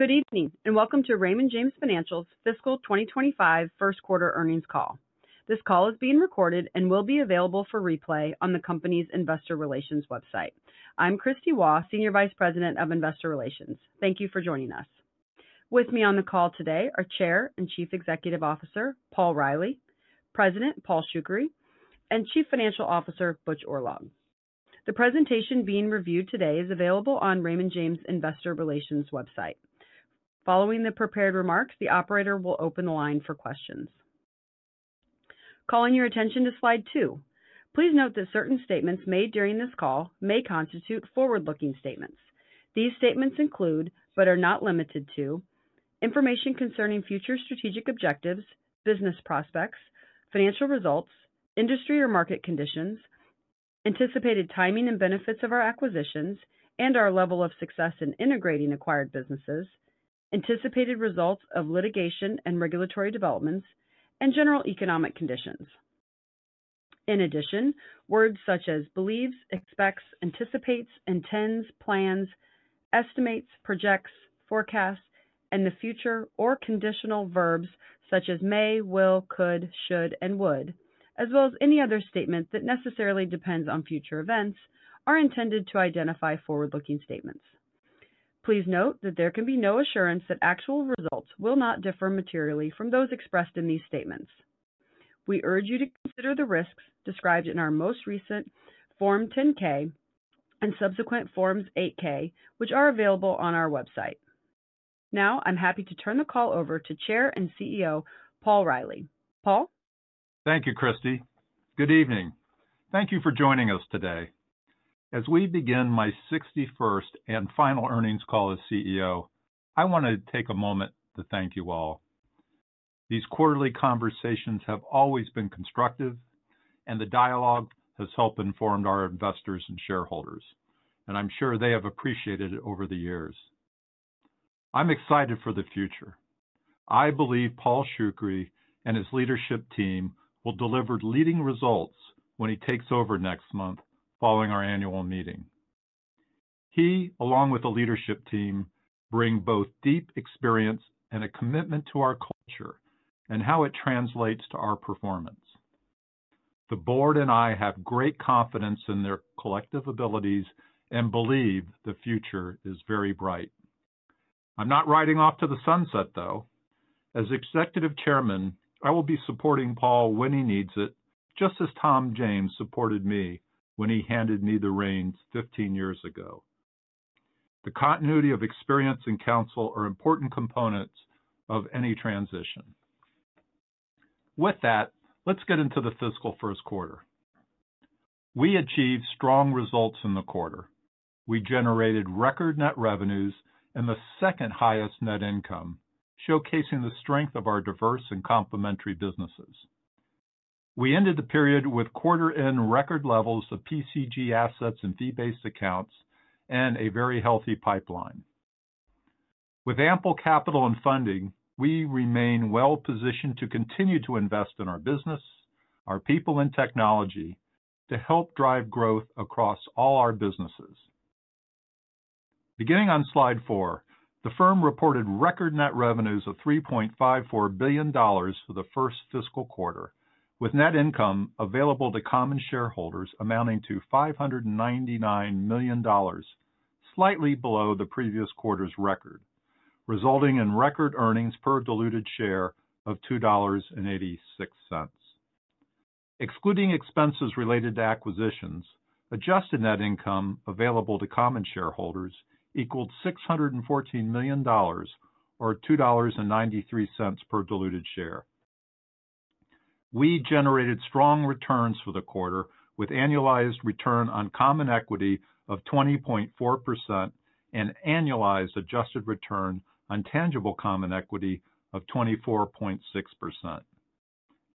Good evening and welcome to Raymond James Financial's Fiscal 2025 First Quarter Earnings Call. This call is being recorded and will be available for replay on the company's Investor Relations website. I'm Kristie Waugh, Senior Vice President of Investor Relations. Thank you for joining us. With me on the call today are Chair and Chief Executive Officer Paul Reilly, President Paul Shoukry, and Chief Financial Officer Butch Oorlog. The presentation being reviewed today is available on Raymond James Investor Relations website. Following the prepared remarks, the operator will open the line for questions. Calling your attention to Slide 2. Please note that certain statements made during this call may constitute forward-looking statements. These statements include, but are not limited to, information concerning future strategic objectives, business prospects, financial results, industry or market conditions, anticipated timing and benefits of our acquisitions, and our level of success in integrating acquired businesses, anticipated results of litigation and regulatory developments, and general economic conditions. In addition, words such as believes, expects, anticipates, intends, plans, estimates, projects, forecasts, and the future or conditional verbs such as may, will, could, should, and would, as well as any other statement that necessarily depends on future events, are intended to identify forward-looking statements. Please note that there can be no assurance that actual results will not differ materially from those expressed in these statements. We urge you to consider the risks described in our most recent Form 10-K and subsequent Forms 8-K, which are available on our website. Now, I'm happy to turn the call over to Chair and CEO Paul Reilly. Paul? Thank you, Kristie. Good evening. Thank you for joining us today. As we begin my 61st and final earnings call as CEO, I want to take a moment to thank you all. These quarterly conversations have always been constructive, and the dialogue has helped inform our investors and shareholders, and I'm sure they have appreciated it over the years. I'm excited for the future. I believe Paul Shoukry and his leadership team will deliver leading results when he takes over next month following our annual meeting. He, along with the leadership team, bring both deep experience and a commitment to our culture and how it translates to our performance. The board and I have great confidence in their collective abilities and believe the future is very bright. I'm not riding off to the sunset, though. As Executive Chairman, I will be supporting Paul when he needs it, just as Tom James supported me when he handed me the reins 15 years ago. The continuity of experience and counsel are important components of any transition. With that, let's get into the fiscal first quarter. We achieved strong results in the quarter. We generated record net revenues and the second highest net income, showcasing the strength of our diverse and complementary businesses. We ended the period with quarter-end record levels of PCG assets and fee-based accounts and a very healthy pipeline. With ample capital and funding, we remain well-positioned to continue to invest in our business, our people, and technology to help drive growth across all our businesses. Beginning on Slide 4, the firm reported record net revenues of $3.54 billion for the first fiscal quarter, with net income available to common shareholders amounting to $599 million, slightly below the previous quarter's record, resulting in record earnings per diluted share of $2.86. Excluding expenses related to acquisitions, adjusted net income available to common shareholders equaled $614 million, or $2.93 per diluted share. We generated strong returns for the quarter, with annualized return on common equity of 20.4% and annualized adjusted return on tangible common equity of 24.6%.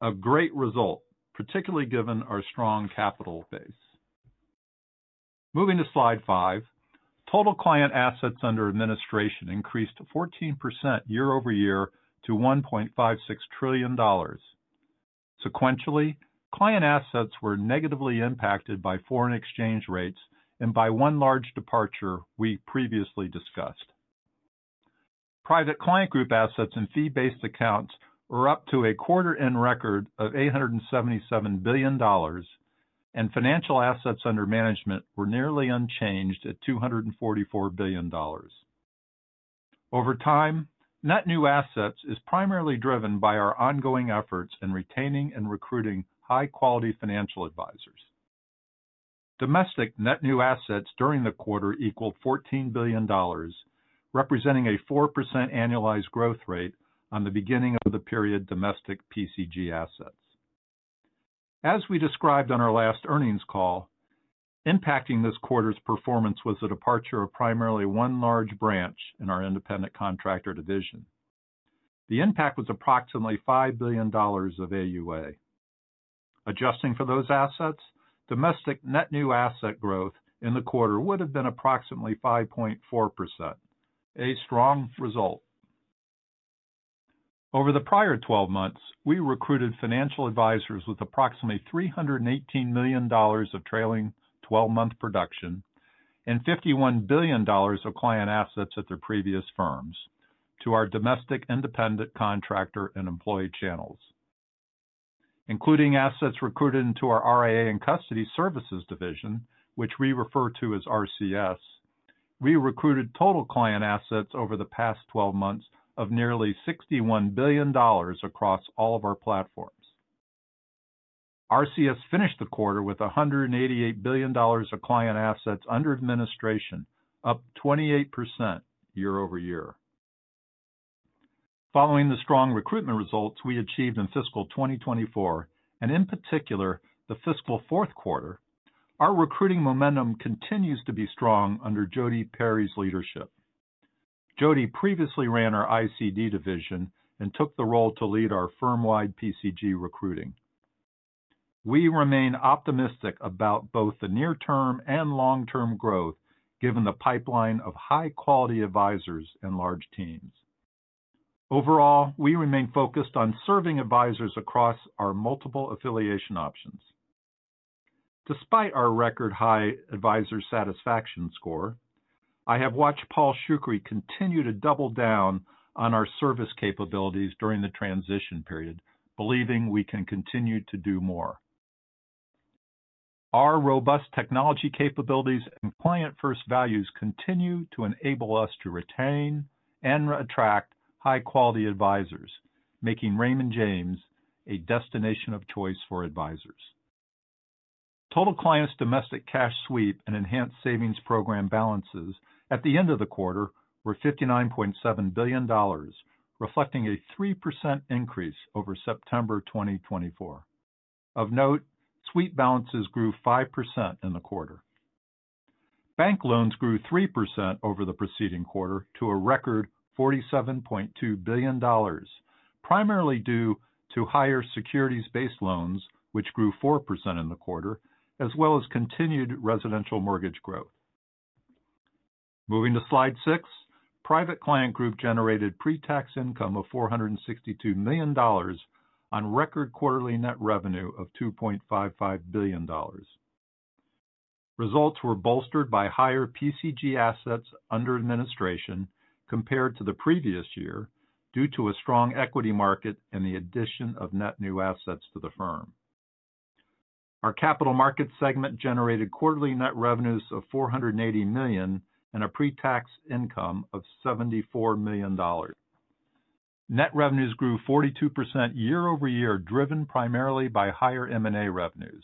A great result, particularly given our strong capital base. Moving to Slide 5, total client assets under administration increased 14% year-over-year to $1.56 trillion. Sequentially, client assets were negatively impacted by foreign exchange rates and by one large departure we previously discussed. Private Client Group assets and fee-based accounts were up to a quarter-end record of $877 billion, and financial assets under management were nearly unchanged at $244 billion. Over time, net new assets is primarily driven by our ongoing efforts in retaining and recruiting high-quality financial advisors. Domestic net new assets during the quarter equaled $14 billion, representing a 4% annualized growth rate on the beginning of the period domestic PCG assets. As we described on our last earnings call, impacting this quarter's performance was the departure of primarily one large branch in our Independent Contractor Division. The impact was approximately $5 billion of AUA. Adjusting for those assets, domestic net new asset growth in the quarter would have been approximately 5.4%, a strong result. Over the prior 12 months, we recruited financial advisors with approximately $318 million of trailing 12-month production and $51 billion of client assets at their previous firms to our domestic independent contractor and employee channels. Including assets recruited into our RIA and Custody Services Division, which we refer to as RCS, we recruited total client assets over the past 12 months of nearly $61 billion across all of our platforms. RCS finished the quarter with $188 billion of client assets under administration, up 28% year-over-year. Following the strong recruitment results we achieved in fiscal 2024, and in particular the fiscal fourth quarter, our recruiting momentum continues to be strong under Jodi Perry's leadership. Jodi previously ran our ICD division and took the role to lead our firm-wide PCG recruiting. We remain optimistic about both the near-term and long-term growth, given the pipeline of high-quality advisors and large teams. Overall, we remain focused on serving advisors across our multiple affiliation options. Despite our record high advisor satisfaction score, I have watched Paul Shoukry continue to double down on our service capabilities during the transition period, believing we can continue to do more. Our robust technology capabilities and client-first values continue to enable us to retain and attract high-quality advisors, making Raymond James a destination of choice for advisors. Total clients' domestic cash sweep and Enhanced Savings Program balances at the end of the quarter were $59.7 billion, reflecting a 3% increase over September 2024. Of note, sweep balances grew 5% in the quarter. Bank loans grew 3% over the preceding quarter to a record $47.2 billion, primarily due to higher securities-based loans, which grew 4% in the quarter, as well as continued residential mortgage growth. Moving to Slide 6, Private Client Group generated pre-tax income of $462 million on record quarterly net revenue of $2.55 billion. Results were bolstered by higher PCG assets under administration compared to the previous year due to a strong equity market and the addition of net new assets to the firm. Our Capital Markets segment generated quarterly net revenues of $480 million and a pre-tax income of $74 million. Net revenues grew 42% year-over-year, driven primarily by higher M&A revenues.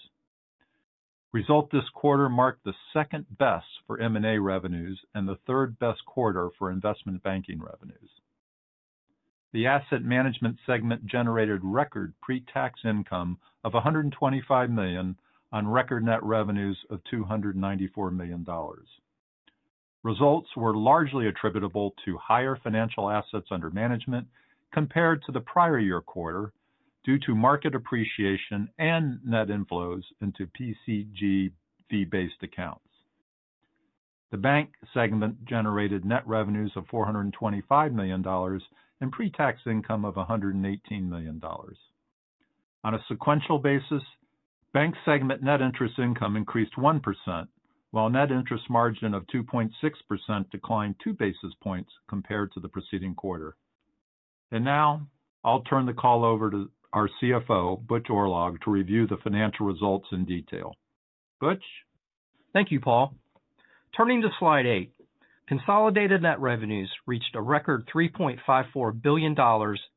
Result this quarter marked the second best for M&A revenues and the third best quarter for investment banking revenues. The Asset Management segment generated record pre-tax income of $125 million on record net revenues of $294 million. Results were largely attributable to higher financial assets under management compared to the prior year quarter due to market appreciation and net inflows into PCG fee-based accounts. The Bank segment generated net revenues of $425 million and pre-tax income of $118 million. On a sequential basis, Bank segment net interest income increased 1%, while net interest margin of 2.6% declined two basis points compared to the preceding quarter. And now I'll turn the call over to our CFO, Butch Oorlog, to review the financial results in detail. Butch. Thank you, Paul. Turning to Slide 8, consolidated net revenues reached a record $3.54 billion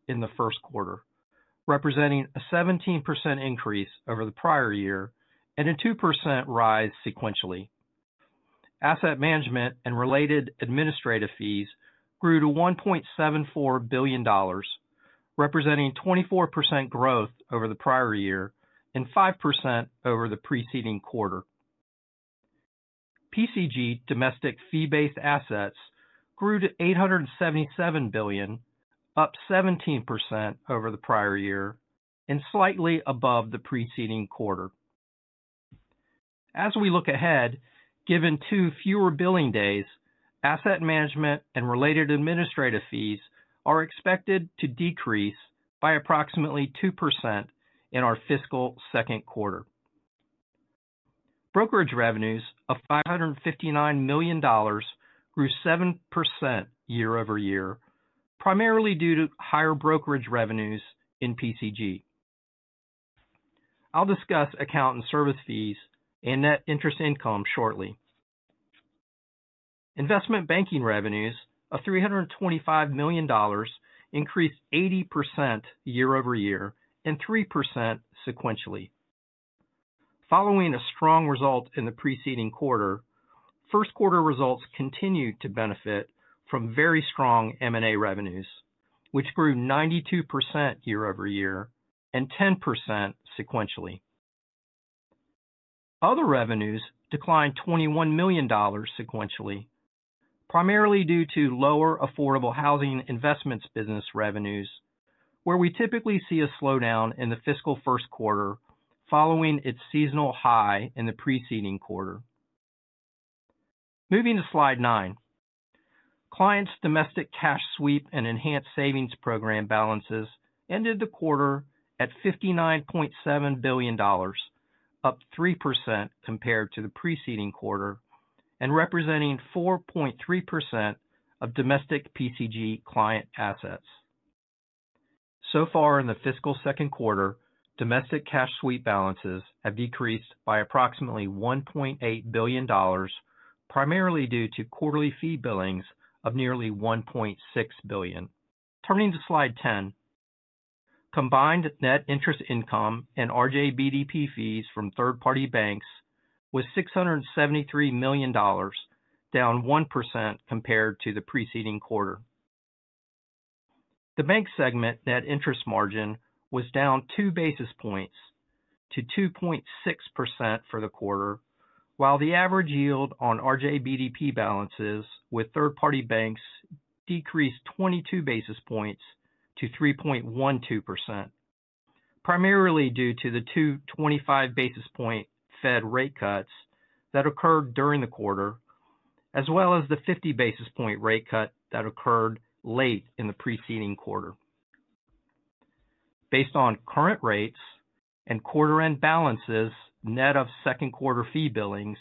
in the first quarter, representing a 17% increase over the prior year and a 2% rise sequentially. Asset management and related administrative fees grew to $1.74 billion, representing 24% growth over the prior year and 5% over the preceding quarter. PCG domestic fee-based assets grew to $877 billion, up 17% over the prior year and slightly above the preceding quarter. As we look ahead, given two fewer billing days, asset management and related administrative fees are expected to decrease by approximately 2% in our fiscal second quarter. Brokerage revenues of $559 million grew 7% year-over-year, primarily due to higher brokerage revenues in PCG. I'll discuss account and service fees and net interest income shortly. Investment banking revenues of $325 million increased 80% year-over-year and 3% sequentially. Following a strong result in the preceding quarter, first quarter results continued to benefit from very strong M&A revenues, which grew 92% year-over-year and 10% sequentially. Other revenues declined $21 million sequentially, primarily due to lower affordable housing investments business revenues, where we typically see a slowdown in the fiscal first quarter following its seasonal high in the preceding quarter. Moving to Slide 9, clients' domestic cash sweep and Enhanced Savings Program balances ended the quarter at $59.7 billion, up 3% compared to the preceding quarter, and representing 4.3% of domestic PCG client assets. So far in the fiscal second quarter, domestic cash sweep balances have decreased by approximately $1.8 billion, primarily due to quarterly fee billings of nearly $1.6 billion. Turning to Slide 10, combined net interest income and RJBDP fees from third-party banks was $673 million, down 1% compared to the preceding quarter. The Bank segment net interest margin was down two basis points to 2.6% for the quarter, while the average yield on RJBDP balances with third-party banks decreased 22 basis points to 3.12%, primarily due to the two 25 basis point Fed rate cuts that occurred during the quarter, as well as the 50 basis point rate cut that occurred late in the preceding quarter. Based on current rates and quarter-end balances net of second quarter fee billings,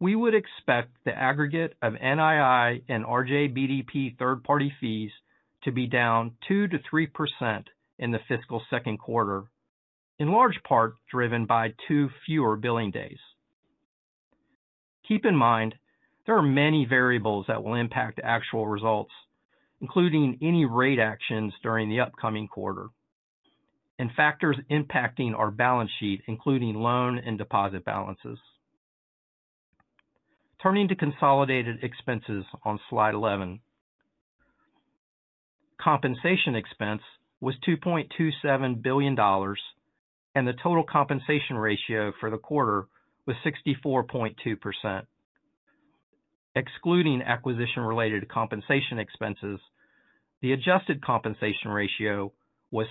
we would expect the aggregate of NII and RJBDP third-party fees to be down 2%-3% in the fiscal second quarter, in large part driven by two fewer billing days. Keep in mind, there are many variables that will impact actual results, including any rate actions during the upcoming quarter and factors impacting our balance sheet, including loan and deposit balances. Turning to consolidated expenses on Slide 11, compensation expense was $2.27 billion, and the total compensation ratio for the quarter was 64.2%. Excluding acquisition-related compensation expenses, the adjusted compensation ratio was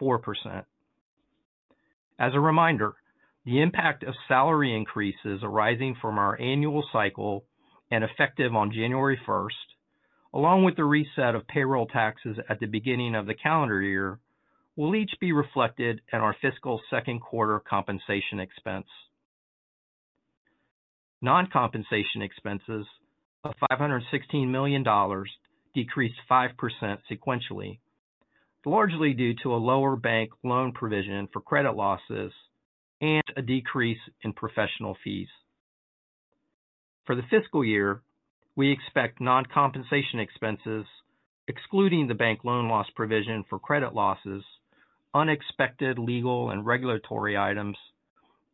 64%. As a reminder, the impact of salary increases arising from our annual cycle and effective on January 1st, along with the reset of payroll taxes at the beginning of the calendar year, will each be reflected in our fiscal second quarter compensation expense. Non-compensation expenses of $516 million decreased 5% sequentially, largely due to a lower bank loan provision for credit losses and a decrease in professional fees. For the fiscal year, we expect non-compensation expenses, excluding the bank loan loss provision for credit losses, unexpected legal and regulatory items,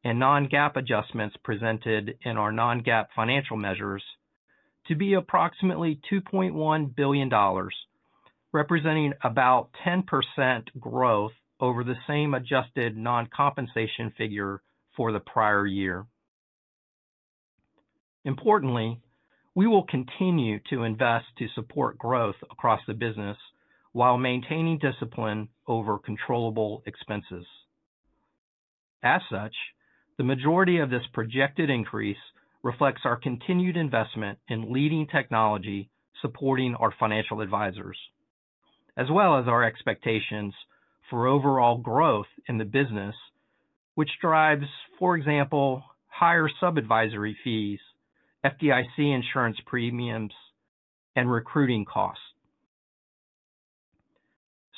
and non-GAAP adjustments presented in our non-GAAP financial measures, to be approximately $2.1 billion, representing about 10% growth over the same adjusted non-compensation figure for the prior year. Importantly, we will continue to invest to support growth across the business while maintaining discipline over controllable expenses. As such, the majority of this projected increase reflects our continued investment in leading technology supporting our financial advisors, as well as our expectations for overall growth in the business, which drives, for example, higher sub-advisory fees, FDIC insurance premiums, and recruiting costs.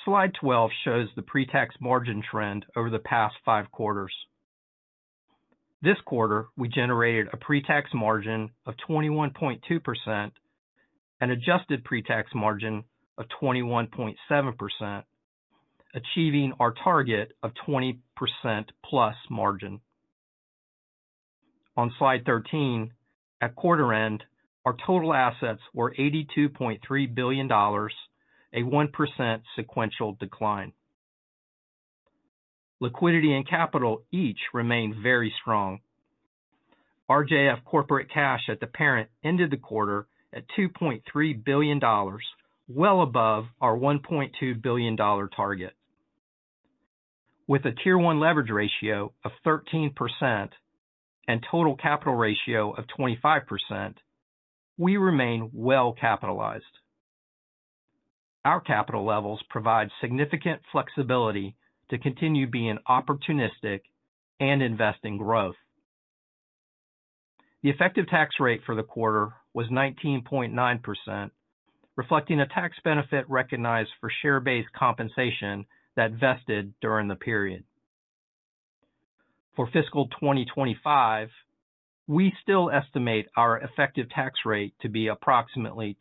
Slide 12 shows the pre-tax margin trend over the past five quarters. This quarter, we generated a pre-tax margin of 21.2% and adjusted pre-tax margin of 21.7%, achieving our target of 20% plus margin. On Slide 13, at quarter end, our total assets were $82.3 billion, a 1% sequential decline. Liquidity and capital each remained very strong. RJF Corporate Cash at the parent ended the quarter at $2.3 billion, well above our $1.2 billion target. With a Tier 1 leverage ratio of 13% and Total capital ratio of 25%, we remain well capitalized. Our capital levels provide significant flexibility to continue being opportunistic and invest in growth. The effective tax rate for the quarter was 19.9%, reflecting a tax benefit recognized for share-based compensation that vested during the period. For fiscal 2025, we still estimate our effective tax rate to be approximately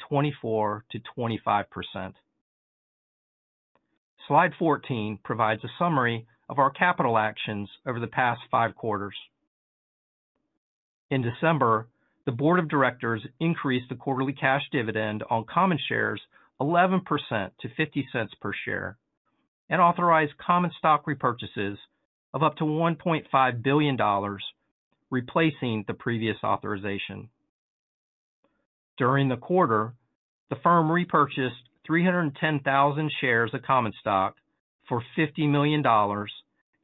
24%-25%. Slide 14 provides a summary of our capital actions over the past five quarters. In December, the board of directors increased the quarterly cash dividend on common shares 11% to $0.50 per share and authorized common stock repurchases of up to $1.5 billion, replacing the previous authorization. During the quarter, the firm repurchased 310,000 shares of common stock for $50 million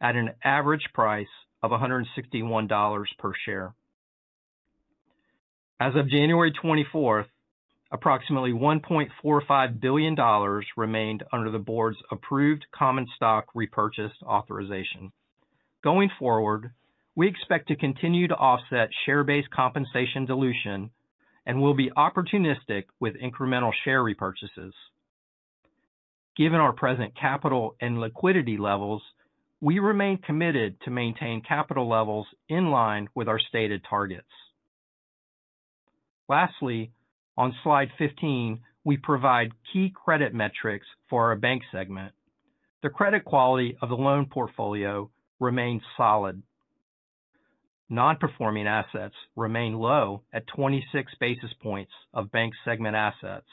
at an average price of $161 per share. As of January 24th, approximately $1.45 billion remained under the board's approved common stock repurchase authorization. Going forward, we expect to continue to offset share-based compensation dilution and will be opportunistic with incremental share repurchases. Given our present capital and liquidity levels, we remain committed to maintain capital levels in line with our stated targets. Lastly, on Slide 15, we provide key credit metrics for our bank segment. The credit quality of the loan portfolio remained solid. Non-performing assets remain low at 26 basis points of bank segment assets,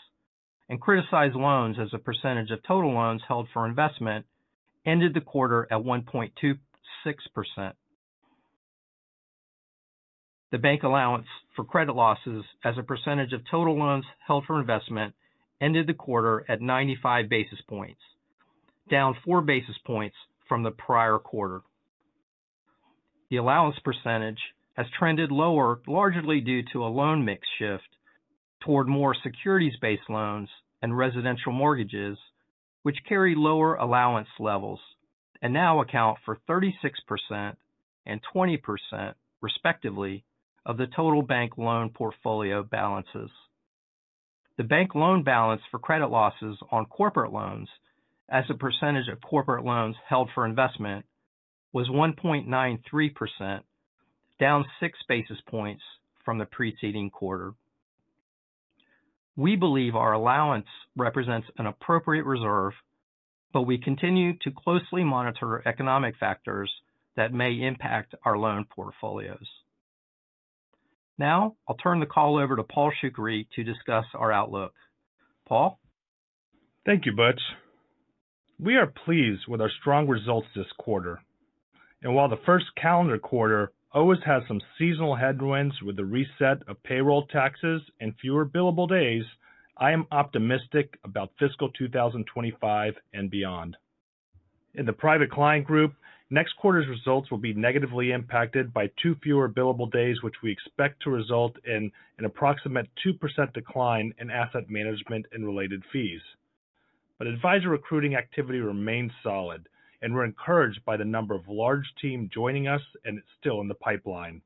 and criticized loans as a percentage of total loans held for investment ended the quarter at 1.26%. The bank allowance for credit losses as a percentage of total loans held for investment ended the quarter at 95 basis points, down four basis points from the prior quarter. The allowance percentage has trended lower largely due to a loan mix shift toward more securities-based loans and residential mortgages, which carry lower allowance levels and now account for 36% and 20% respectively of the total bank loan portfolio balances. The bank loan balance for credit losses on corporate loans as a percentage of corporate loans held for investment was 1.93%, down six basis points from the preceding quarter. We believe our allowance represents an appropriate reserve, but we continue to closely monitor economic factors that may impact our loan portfolios. Now I'll turn the call over to Paul Shoukry to discuss our outlook. Paul? Thank you, Butch. We are pleased with our strong results this quarter. And while the first calendar quarter always has some seasonal headwinds with the reset of payroll taxes and fewer billable days, I am optimistic about fiscal 2025 and beyond. In the Private Client Group, next quarter's results will be negatively impacted by two fewer billable days, which we expect to result in an approximate 2% decline in asset management and related fees. But advisor recruiting activity remains solid, and we're encouraged by the number of large teams joining us and still in the pipeline.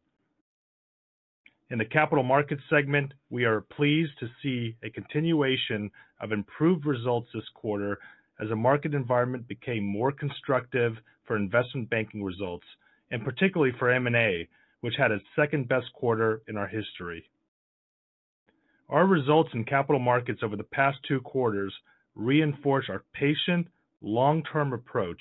In the Capital Markets segment, we are pleased to see a continuation of improved results this quarter as the market environment became more constructive for investment banking results, and particularly for M&A, which had its second best quarter in our history. Our results in Capital Markets over the past two quarters reinforce our patient, long-term approach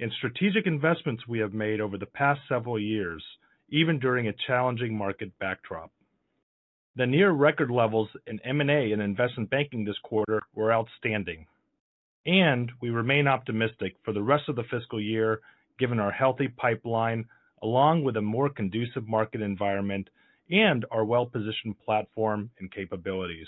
and strategic investments we have made over the past several years, even during a challenging market backdrop. The near-record levels in M&A and investment banking this quarter were outstanding, and we remain optimistic for the rest of the fiscal year, given our healthy pipeline along with a more conducive market environment and our well-positioned platform and capabilities.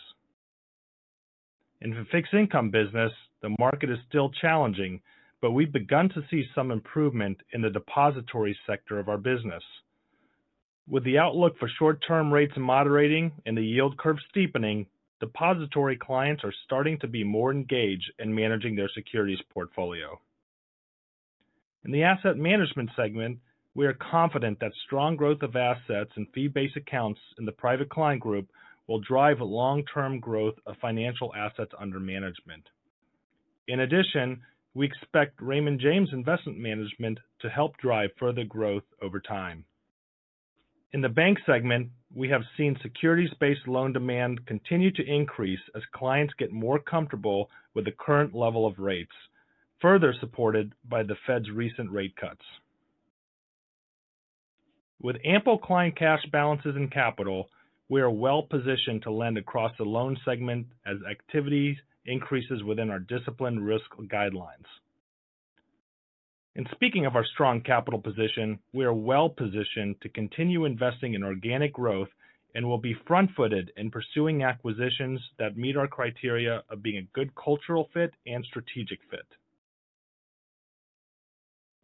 In the fixed income business, the market is still challenging, but we've begun to see some improvement in the depository sector of our business. With the outlook for short-term rates moderating and the yield curve steepening, depository clients are starting to be more engaged in managing their securities portfolio. In the Asset Management segment, we are confident that strong growth of assets and fee-based accounts in the Private Client Group will drive long-term growth of financial assets under management. In addition, we expect Raymond James Investment Management to help drive further growth over time. In the Bank segment, we have seen securities-based loan demand continue to increase as clients get more comfortable with the current level of rates, further supported by the Fed's recent rate cuts. With ample client cash balances and capital, we are well-positioned to lend across the loan segment as activity increases within our disciplined risk guidelines. And speaking of our strong capital position, we are well-positioned to continue investing in organic growth and will be front-footed in pursuing acquisitions that meet our criteria of being a good cultural fit and strategic fit.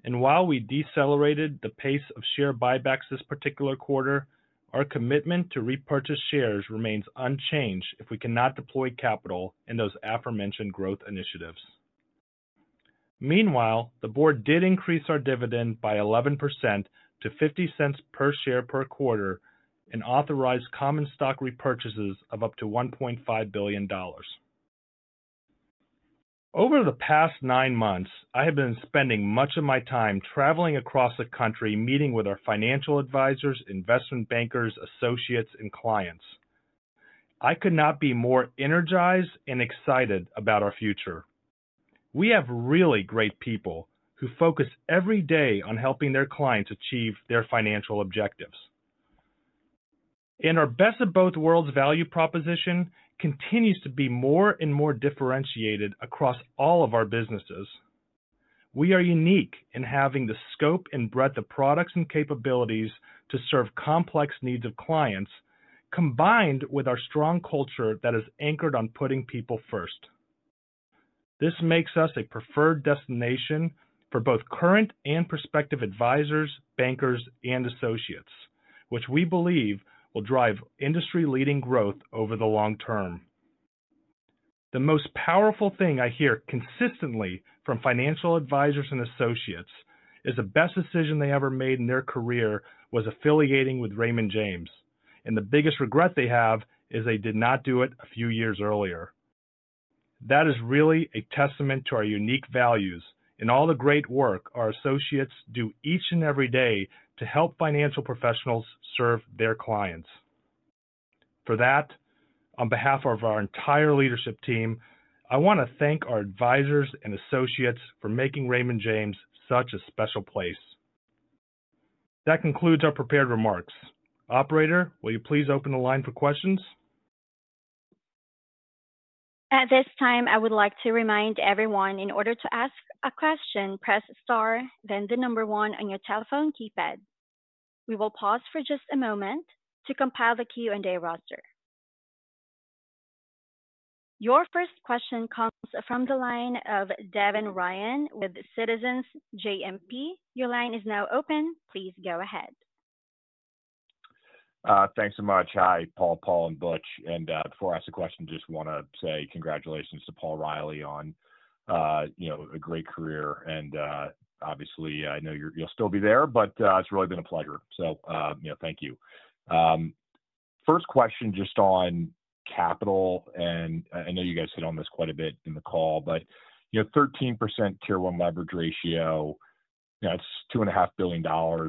And while we decelerated the pace of share buybacks this particular quarter, our commitment to repurchase shares remains unchanged if we cannot deploy capital in those aforementioned growth initiatives. Meanwhile, the board did increase our dividend by 11% to $0.50 per share per quarter and authorized common stock repurchases of up to $1.5 billion. Over the past nine months, I have been spending much of my time traveling across the country meeting with our financial advisors, investment bankers, associates, and clients. I could not be more energized and excited about our future. We have really great people who focus every day on helping their clients achieve their financial objectives. Our best of both worlds value proposition continues to be more and more differentiated across all of our businesses. We are unique in having the scope and breadth of products and capabilities to serve complex needs of clients, combined with our strong culture that is anchored on putting people first. This makes us a preferred destination for both current and prospective advisors, bankers, and associates, which we believe will drive industry-leading growth over the long term. The most powerful thing I hear consistently from financial advisors and associates is the best decision they ever made in their career was affiliating with Raymond James, and the biggest regret they have is they did not do it a few years earlier. That is really a testament to our unique values and all the great work our associates do each and every day to help financial professionals serve their clients. For that, on behalf of our entire leadership team, I want to thank our advisors and associates for making Raymond James such a special place. That concludes our prepared remarks. Operator, will you please open the line for questions? At this time, I would like to remind everyone in order to ask a question, press star, then the number one on your telephone keypad. We will pause for just a moment to compile the Q&A roster. Your first question comes from the line of Devin Ryan with Citizens JMP. Your line is now open. Please go ahead. Thanks so much. Hi, Paul, Paul, and Butch. And before I ask the question, I just want to say congratulations to Paul Reilly on a great career. And obviously, I know you'll still be there, but it's really been a pleasure. So thank you. First question just on capital, and I know you guys hit on this quite a bit in the call, but 13% Tier 1 leverage ratio, that's $2.5 billion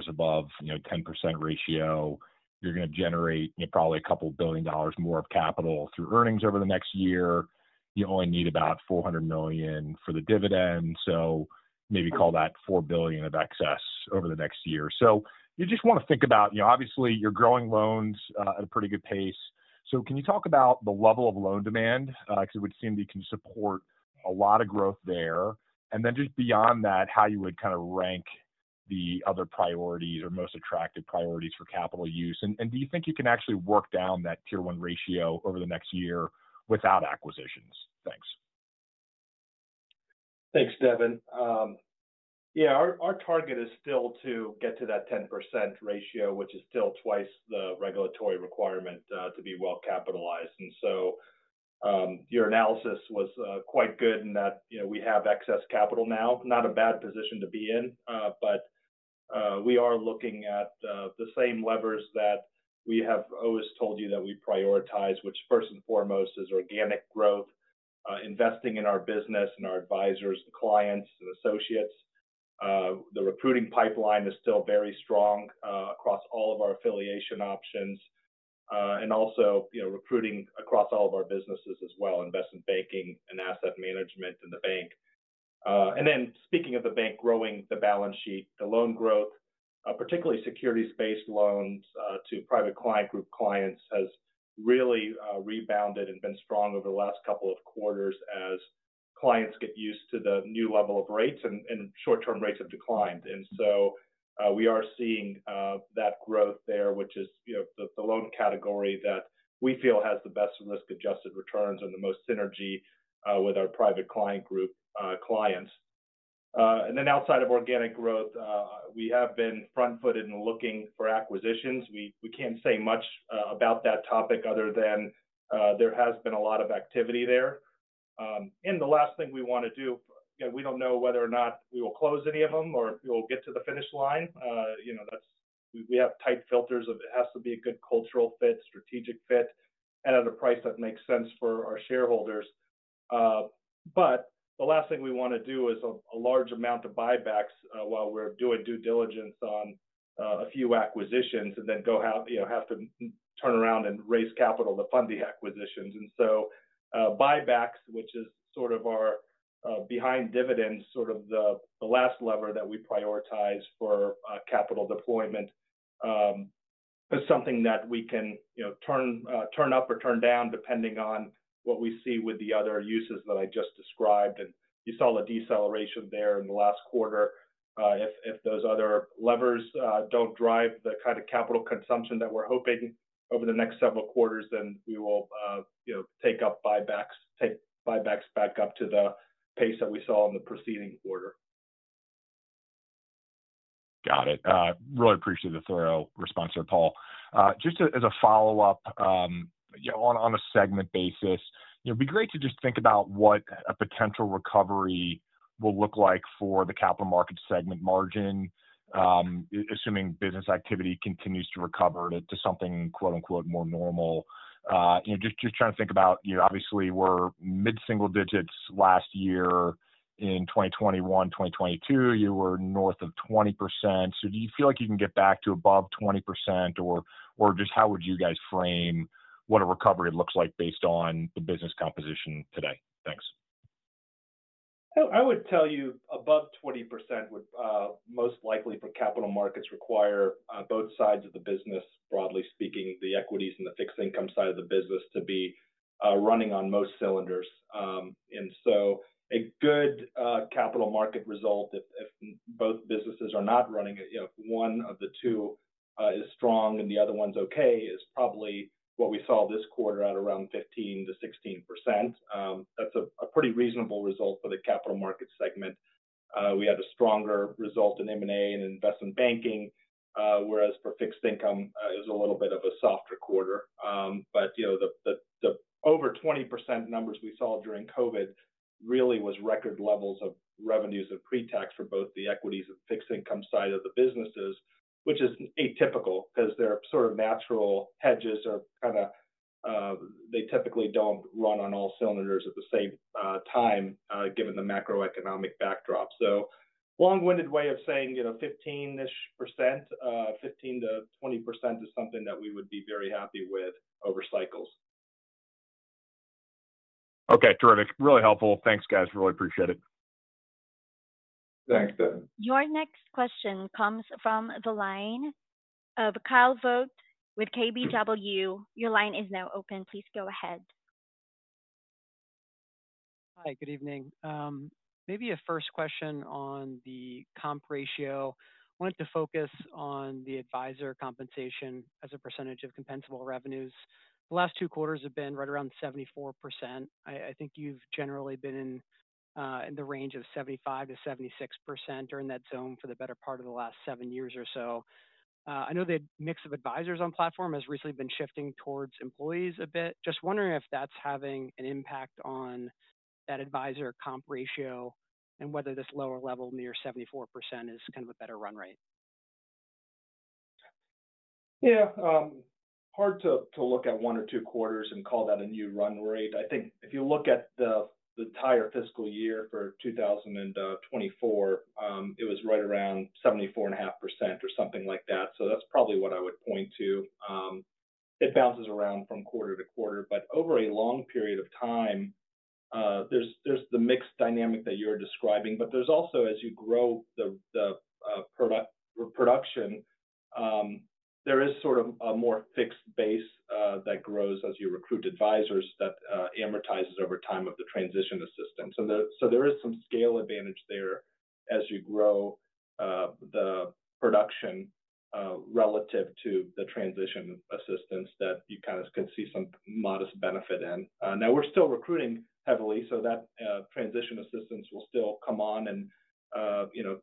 above 10% ratio. You're going to generate probably $2 billion more of capital through earnings over the next year. You only need about $400 million for the dividend, so maybe call that $4 billion of excess over the next year, so you just want to think about, obviously, you're growing loans at a pretty good pace, so can you talk about the level of loan demand because it would seem you can support a lot of growth there? And then just beyond that, how you would kind of rank the other priorities or most attractive priorities for capital use, and do you think you can actually work down that Tier 1 ratio over the next year without acquisitions? Thanks. Thanks, Devin. Yeah, our target is still to get to that 10% ratio, which is still twice the regulatory requirement to be well capitalized. And so your analysis was quite good in that we have excess capital now. Not a bad position to be in, but we are looking at the same levers that we have always told you that we prioritize, which first and foremost is organic growth, investing in our business and our advisors, the clients, and associates. The recruiting pipeline is still very strong across all of our affiliation options and also recruiting across all of our businesses as well, investment banking and asset management in the bank. And then speaking of the bank growing the balance sheet, the loan growth, particularly securities-based loans to Private Client Group clients has really rebounded and been strong over the last couple of quarters as clients get used to the new level of rates and short-term rates have declined. And so we are seeing that growth there, which is the loan category that we feel has the best risk-adjusted returns and the most synergy with our Private Client Group clients. And then outside of organic growth, we have been front-footed in looking for acquisitions. We can't say much about that topic other than there has been a lot of activity there. And the last thing we want to do, we don't know whether or not we will close any of them or we will get to the finish line. We have tight filters of it has to be a good cultural fit, strategic fit, and at a price that makes sense for our shareholders. But the last thing we want to do is a large amount of buybacks while we're doing due diligence on a few acquisitions and then have to turn around and raise capital to fund the acquisitions. And so buybacks, which is sort of our behind dividends, sort of the last lever that we prioritize for capital deployment, is something that we can turn up or turn down depending on what we see with the other uses that I just described. And you saw the deceleration there in the last quarter. If those other levers don't drive the kind of capital consumption that we're hoping over the next several quarters, then we will take up buybacks back up to the pace that we saw in the preceding quarter. Got it. Really appreciate the thorough response there, Paul. Just as a follow-up, on a segment basis, it'd be great to just think about what a potential recovery will look like for the Capital Markets segment margin, assuming business activity continues to recover to something "more normal." Just trying to think about, obviously, we're mid-single digits last year. In 2021, 2022, you were north of 20%. So do you feel like you can get back to above 20%, or just how would you guys frame what a recovery looks like based on the business composition today? Thanks. I would tell you above 20% would most likely for Capital Markets require both sides of the business, broadly speaking, the equities and the fixed income side of the business to be running on most cylinders, and so a good capital market result, if both businesses are not running, if one of the two is strong and the other one's okay, is probably what we saw this quarter at around 15%-16%. That's a pretty reasonable result for the Capital Markets segment. We had a stronger result in M&A and investment banking, whereas for fixed income, it was a little bit of a softer quarter. But the over 20% numbers we saw during COVID really was record levels of revenues of pre-tax for both the equities and fixed income side of the businesses, which is atypical because their sort of natural hedges are kind of they typically don't run on all cylinders at the same time given the macroeconomic backdrop. So long-winded way of saying 15-ish%, 15%-20% is something that we would be very happy with over cycles. Okay. Terrific. Really helpful. Thanks, guys. Really appreciate it. Thanks, Devin. Your next question comes from the line of Kyle Voigt with KBW. Your line is now open. Please go ahead. Hi. Good evening. Maybe a first question on the comp ratio. I wanted to focus on the advisor compensation as a percentage of compensable revenues. The last two quarters have been right around 74%. I think you've generally been in the range of 75%-76% or in that zone for the better part of the last seven years or so. I know the mix of advisors on platform has recently been shifting towards employees a bit. Just wondering if that's having an impact on that advisor comp ratio and whether this lower level near 74% is kind of a better run rate. Yeah. Hard to look at one or two quarters and call that a new run rate. I think if you look at the entire fiscal year for 2024, it was right around 74.5% or something like that. So that's probably what I would point to. It bounces around from quarter to quarter. But over a long period of time, there's the mixed dynamic that you're describing. But there's also, as you grow the production, there is sort of a more fixed base that grows as you recruit advisors that amortizes over time of the transition assistance. So there is some scale advantage there as you grow the production relative to the transition assistance that you kind of could see some modest benefit in. Now, we're still recruiting heavily, so that transition assistance will still come on and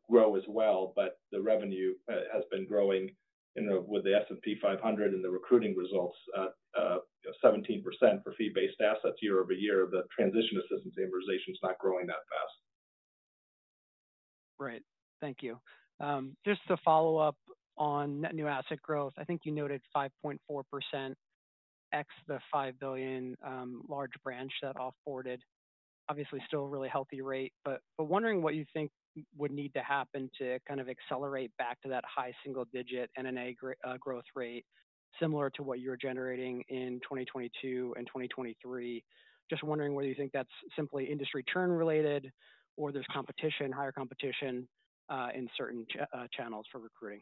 grow as well. But the revenue has been growing with the S&P 500 and the recruiting results, 17% for fee-based assets year-over-year. The transition assistance amortization is not growing that fast. Right. Thank you. Just to follow up on net new asset growth, I think you noted 5.4% x the $5 billion large branch that off-boarded. Obviously, still a really healthy rate, but wondering what you think would need to happen to kind of accelerate back to that high single-digit NNA growth rate similar to what you were generating in 2022 and 2023. Just wondering whether you think that's simply industry churn related or there's higher competition in certain channels for recruiting.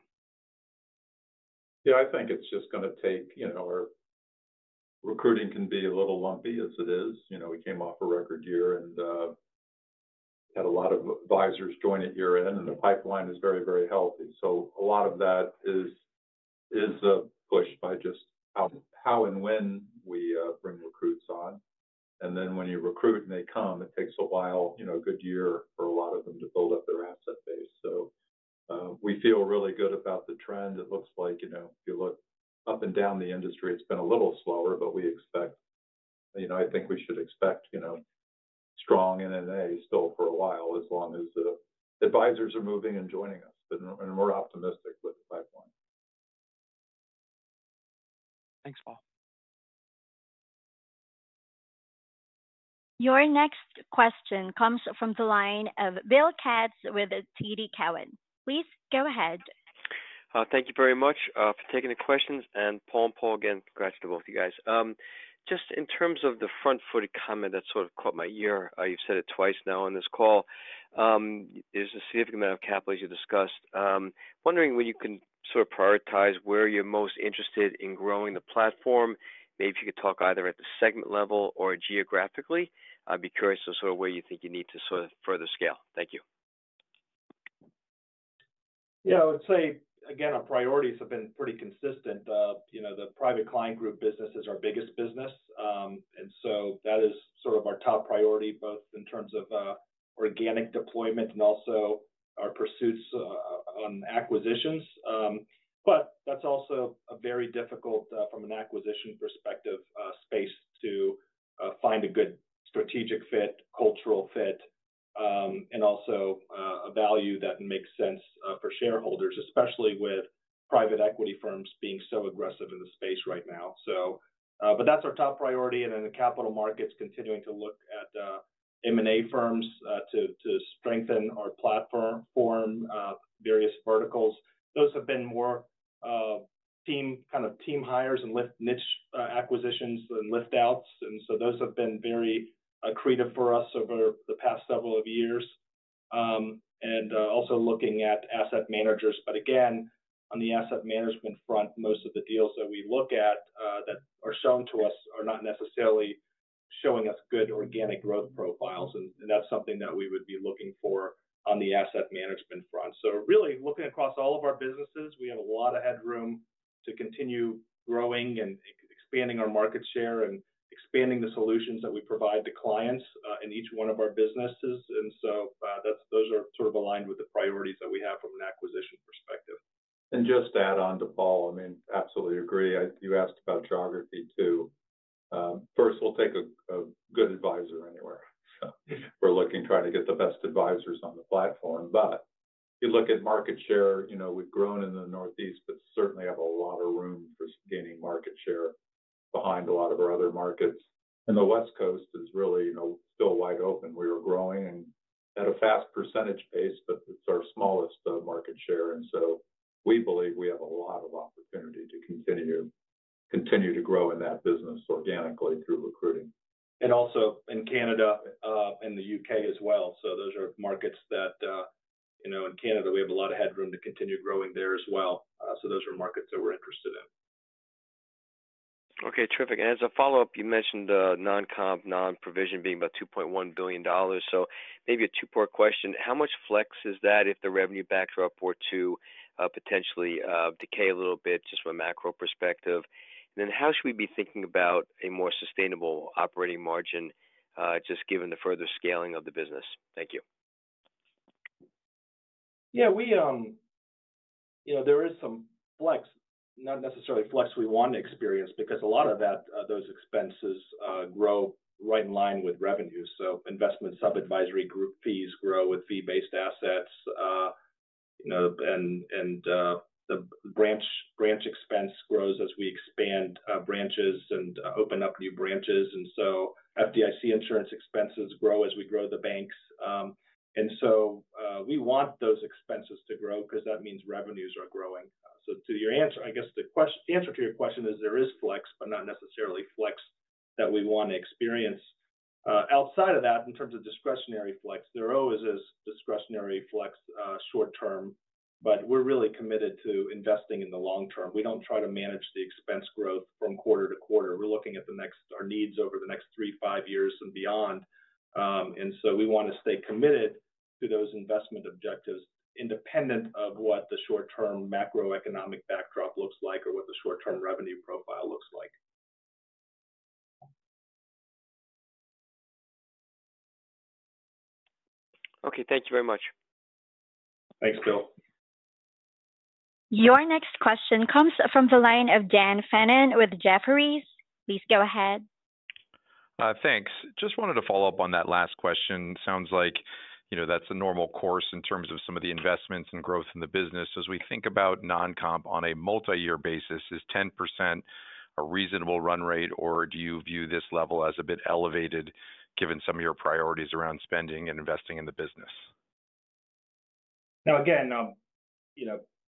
Yeah. I think it's just going to take. Our recruiting can be a little lumpy as it is. We came off a record year and had a lot of advisors join at year-end, and the pipeline is very, very healthy. So a lot of that is pushed by just how and when we bring recruits on. And then when you recruit and they come, it takes a while, a good year for a lot of them to build up their asset base. So we feel really good about the trend. It looks like if you look up and down the industry, it's been a little slower, but we expect I think we should expect strong NNA still for a while as long as advisors are moving and joining us. And we're optimistic with the pipeline. Thanks, Paul. Your next question comes from the line of Bill Katz with TD Cowen. Please go ahead. Thank you very much for taking the questions. And Paul, Paul again, congrats to both of you guys. Just in terms of the front-footed comment that sort of caught my ear, you've said it twice now on this call, there's a significant amount of capital as you discussed. Wondering when you can sort of prioritize where you're most interested in growing the platform. Maybe if you could talk either at the segment level or geographically. I'd be curious of sort of where you think you need to sort of further scale. Thank you. Yeah. I would say, again, our priorities have been pretty consistent. The Private Client Group business is our biggest business. And so that is sort of our top priority both in terms of organic deployment and also our pursuits on acquisitions. But that's also a very difficult, from an acquisition perspective, space to find a good strategic fit, cultural fit, and also a value that makes sense for shareholders, especially with private equity firms being so aggressive in the space right now. But that's our top priority. And then the Capital Markets continuing to look at M&A firms to strengthen our platform, various verticals. Those have been more kind of team hires and niche acquisitions and lift-outs. And so those have been very creative for us over the past several years and also looking at asset managers. But again, on the asset management front, most of the deals that we look at that are shown to us are not necessarily showing us good organic growth profiles. And that's something that we would be looking for on the asset management front. So really looking across all of our businesses, we have a lot of headroom to continue growing and expanding our market share and expanding the solutions that we provide to clients in each one of our businesses. And so those are sort of aligned with the priorities that we have from an acquisition perspective. And just to add on to Paul, I mean, absolutely agree. You asked about geography too. First, we'll take a good advisor anywhere. We're looking, trying to get the best advisors on the platform. But you look at market share, we've grown in the Northeast, but certainly have a lot of room for gaining market share behind a lot of our other markets. And the West Coast is really still wide open. We were growing at a fast percentage pace, but it's our smallest market share. And so we believe we have a lot of opportunity to continue to grow in that business organically through recruiting. And also in Canada and the U.K. as well. So those are markets that in Canada, we have a lot of headroom to continue growing there as well. So those are markets that we're interested in. Okay. Terrific. And as a follow-up, you mentioned non-comp, non-provision being about $2.1 billion. So maybe a two-part question. How much flex is that if the revenue bucks are up or to potentially decay a little bit just from a macro perspective? And then how should we be thinking about a more sustainable operating margin just given the further scaling of the business? Thank you. Yeah. There is some flex, not necessarily flex we want to experience because a lot of those expenses grow right in line with revenue. So investment sub-advisory group fees grow with fee-based assets. And the branch expense grows as we expand branches and open up new branches. And so FDIC insurance expenses grow as we grow the banks. And so we want those expenses to grow because that means revenues are growing. So to answer your question, I guess the answer to your question is there is flex, but not necessarily flex that we want to experience. Outside of that, in terms of discretionary flex, there always is discretionary flex short-term, but we're really committed to investing in the long-term. We don't try to manage the expense growth from quarter to quarter. We're looking at our needs over the next three, five years and beyond. And so we want to stay committed to those investment objectives independent of what the short-term macroeconomic backdrop looks like or what the short-term revenue profile looks like. Okay. Thank you very much. Thanks, Bill. Your next question comes from the line of Dan Fannon with Jefferies. Please go ahead. Thanks. Just wanted to follow up on that last question. Sounds like that's a normal course in terms of some of the investments and growth in the business. As we think about non-comp on a multi-year basis, is 10% a reasonable run rate, or do you view this level as a bit elevated given some of your priorities around spending and investing in the business? Now, again,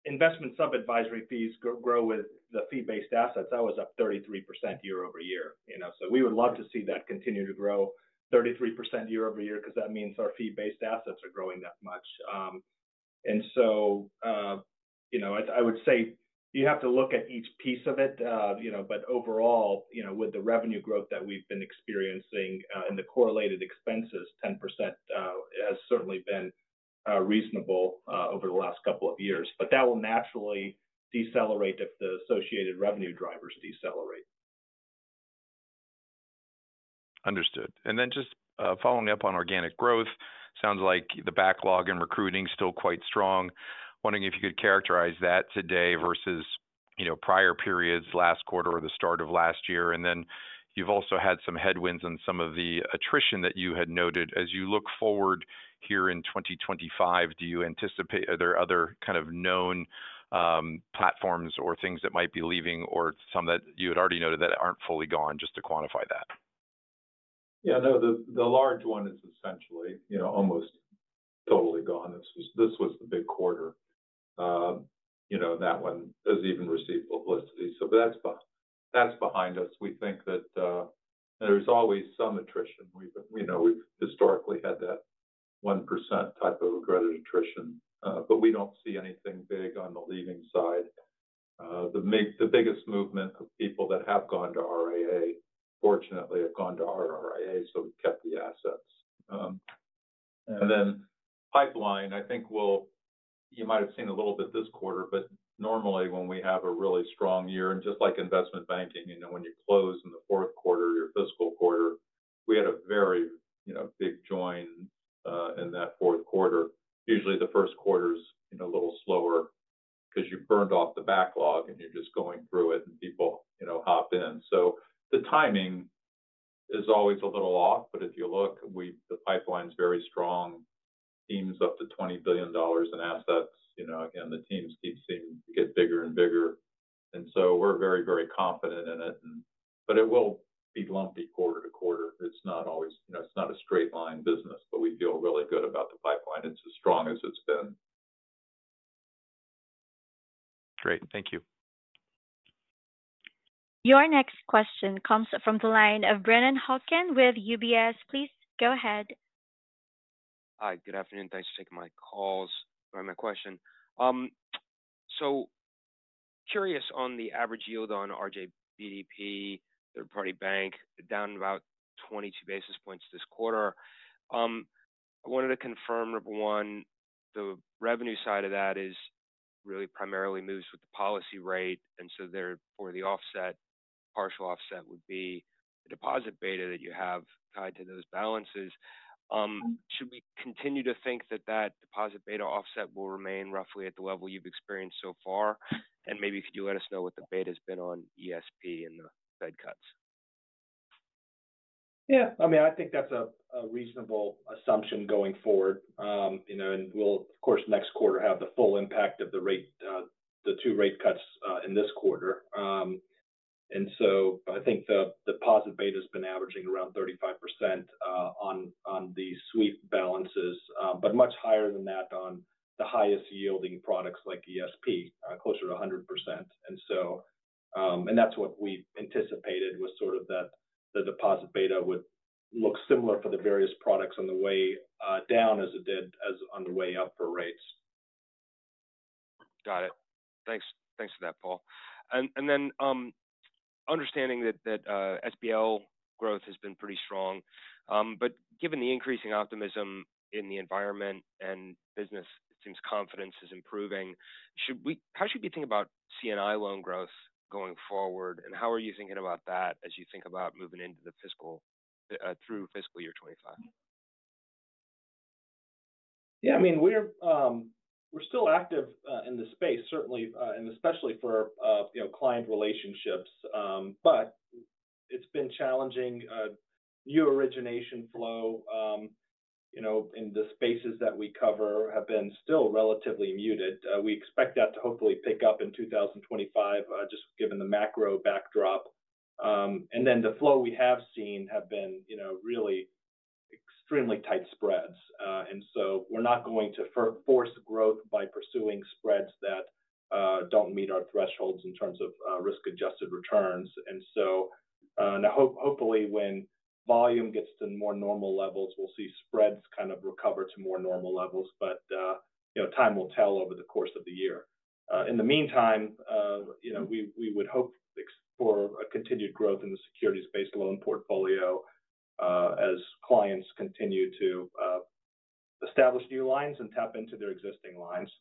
investment sub-advisory fees grow with the fee-based assets. That was up 33% year-over-year. So we would love to see that continue to grow 33% year-over-year because that means our fee-based assets are growing that much. And so I would say you have to look at each piece of it. But overall, with the revenue growth that we've been experiencing and the correlated expenses, 10% has certainly been reasonable over the last couple of years. But that will naturally decelerate if the associated revenue drivers decelerate. Understood. And then just following up on organic growth, sounds like the backlog in recruiting is still quite strong. Wondering if you could characterize that today versus prior periods, last quarter or the start of last year? And then you've also had some headwinds on some of the attrition that you had noted. As you look forward here in 2025, do you anticipate are there other kind of known platforms or things that might be leaving or some that you had already noted that aren't fully gone just to quantify that? Yeah. No, the large one is essentially almost totally gone. This was the big quarter. That one has even received publicity. So that's behind us. We think that there's always some attrition. We've historically had that 1% type of regretted attrition, but we don't see anything big on the leaving side. The biggest movement of people that have gone to RIA, fortunately, have gone to our RIA, so we've kept the assets. And then, pipeline. I think you might have seen a little bit this quarter, but normally when we have a really strong year, and just like investment banking, when you close in the fourth quarter or your fiscal quarter, we had a very big join in that fourth quarter. Usually, the first quarter is a little slower because you've burned off the backlog and you're just going through it and people hop in. So the timing is always a little off, but if you look, the pipeline is very strong. Teams up to $20 billion in assets. Again, the teams keep seeing it get bigger and bigger. And so we're very, very confident in it. But it will be lumpy quarter to quarter. It's not always a straight line business, but we feel really good about the pipeline. It's as strong as it's been. Great. Thank you. Your next question comes from the line of Brennan Hawken with UBS. Please go ahead. Hi. Good afternoon. Thanks for taking my calls. My question. So curious on the average yield on RJBDP, third-party bank, down about 22 basis points this quarter. I wanted to confirm, number one, the revenue side of that really primarily moves with the policy rate. And so for the partial offset would be the deposit beta that you have tied to those balances. Should we continue to think that that deposit beta offset will remain roughly at the level you've experienced so far? And maybe could you let us know what the beta has been on ESP and the Fed cuts? Yeah. I mean, I think that's a reasonable assumption going forward. And we'll, of course, next quarter have the full impact of the two rate cuts in this quarter. And so I think the deposit beta has been averaging around 35% on the sweep balances, but much higher than that on the highest yielding products like ESP, closer to 100%. And that's what we anticipated was sort of that the deposit beta would look similar for the various products on the way down as it did on the way up for rates. Got it. Thanks for that, Paul. And then understanding that SBL growth has been pretty strong. But given the increasing optimism in the environment and business, it seems confidence is improving. How should we think about C&I loan growth going forward? And how are you thinking about that as you think about moving through fiscal year 2025? Yeah. I mean, we're still active in the space, certainly, and especially for client relationships. But it's been challenging. New origination flow in the spaces that we cover have been still relatively muted. We expect that to hopefully pick up in 2025, just given the macro backdrop. And then the flow we have seen have been really extremely tight spreads. And so we're not going to force growth by pursuing spreads that don't meet our thresholds in terms of risk-adjusted returns. And so hopefully, when volume gets to more normal levels, we'll see spreads kind of recover to more normal levels. But time will tell over the course of the year. In the meantime, we would hope for continued growth in the securities-based loan portfolio as clients continue to establish new lines and tap into their existing lines.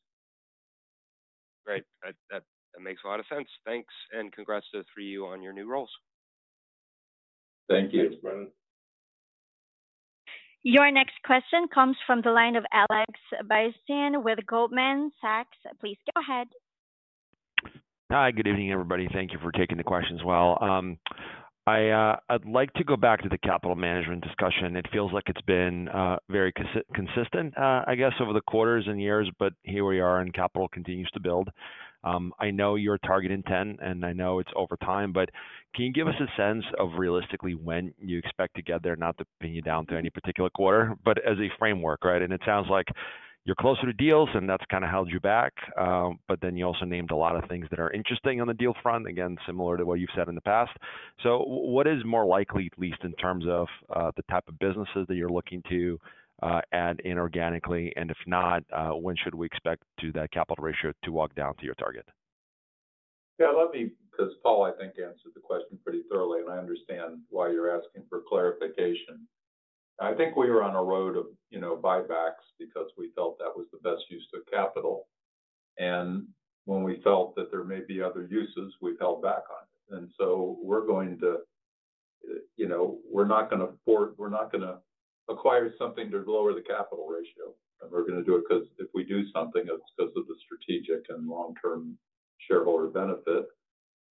Great. That makes a lot of sense. Thanks. And congrats to the three of you on your new roles. Thank you. Thanks, Brennan. Your next question comes from the line of Alex Blostein with Goldman Sachs. Please go ahead. Hi. Good evening, everybody. Thank you for taking the questions well. I'd like to go back to the capital management discussion. It feels like it's been very consistent, I guess, over the quarters and years, but here we are and capital continues to build. I know you're targeting 10, and I know it's over time, but can you give us a sense of realistically when you expect to get there, not to pin you down to any particular quarter, but as a framework, right? And it sounds like you're closer to deals, and that's kind of held you back. But then you also named a lot of things that are interesting on the deal front, again, similar to what you've said in the past. So what is more likely, at least in terms of the type of businesses that you're looking to add in organically? And if not, when should we expect that capital ratio to walk down to your target? Yeah. Because Paul, I think, answered the question pretty thoroughly, and I understand why you're asking for clarification. I think we were on a road of buybacks because we felt that was the best use of capital. And when we felt that there may be other uses, we held back on it. And so we're going to—we're not going to acquire something to lower the capital ratio. And we're going to do it because if we do something, it's because of the strategic and long-term shareholder benefit.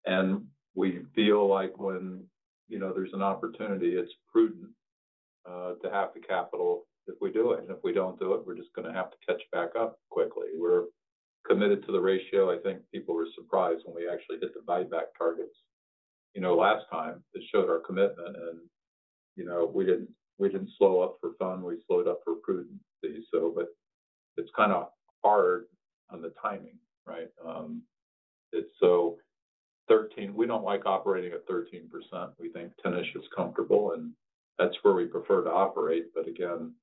And we feel like when there's an opportunity, it's prudent to have the capital if we do it. And if we don't do it, we're just going to have to catch back up quickly. We're committed to the ratio. I think people were surprised when we actually hit the buyback targets last time. It showed our commitment. And we didn't slow up for fun. We slowed up for prudence. But it's kind of hard on the timing, right? So we don't like operating at 13%. We think 10-ish is comfortable, and that's where we prefer to operate. But again,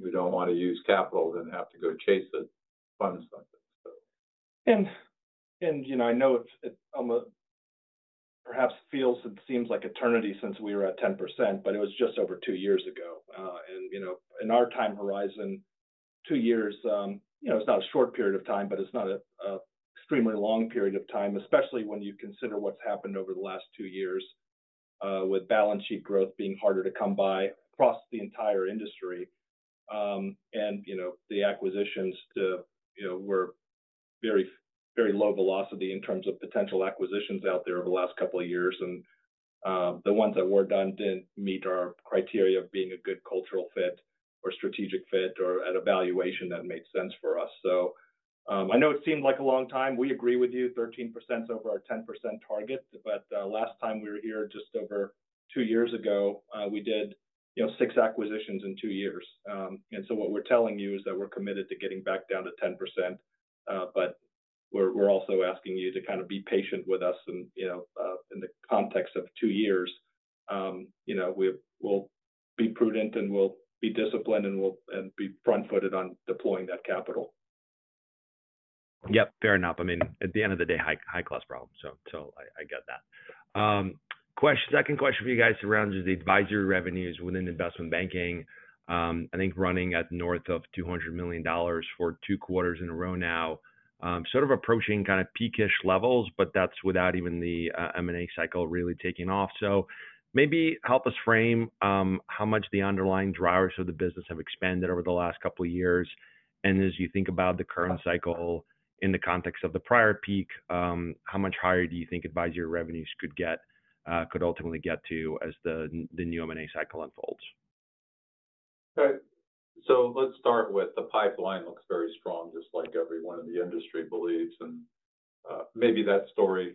we don't want to use capital and have to go chase it. Fund something, so. And I know it perhaps feels and seems like eternity since we were at 10%, but it was just over two years ago. And in our time horizon, two years, it's not a short period of time, but it's not an extremely long period of time, especially when you consider what's happened over the last two years with balance sheet growth being harder to come by across the entire industry. And the acquisitions were very low velocity in terms of potential acquisitions out there over the last couple of years. And the ones that were done didn't meet our criteria of being a good cultural fit or strategic fit or at a valuation that made sense for us. So I know it seemed like a long time. We agree with you. 13% is over our 10% target. But last time we were here, just over two years ago, we did six acquisitions in two years. And so what we're telling you is that we're committed to getting back down to 10%. But we're also asking you to kind of be patient with us. And in the context of two years, we'll be prudent and we'll be disciplined and be front-footed on deploying that capital. Yep. Fair enough. I mean, at the end of the day, high-class problem. So I get that. Second question for you guys around is the advisory revenues within investment banking. I think running at north of $200 million for two quarters in a row now, sort of approaching kind of peak-ish levels, but that's without even the M&A cycle really taking off. So maybe help us frame how much the underlying drivers of the business have expanded over the last couple of years. And as you think about the current cycle in the context of the prior peak, how much higher do you think advisory revenues could ultimately get to as the new M&A cycle unfolds? So let's start with the pipeline looks very strong, just like everyone in the industry believes. And maybe that story